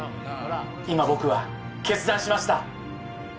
今僕は決断しました！